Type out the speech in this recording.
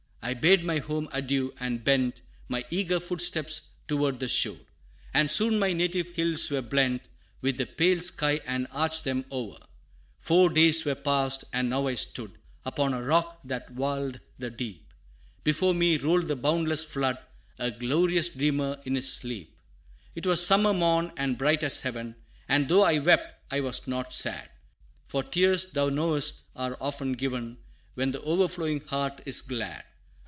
I bade my home adieu, and bent My eager footsteps toward the shore, And soon my native hills were blent, With the pale sky that arched them o'er. Four days were passed, and now I stood Upon a rock that walled the deep: Before me rolled the boundless flood, A glorious dreamer in its sleep. 'Twas summer morn, and bright as heaven; And though I wept, I was not sad, For tears, thou knowest, are often given When the overflowing heart is glad.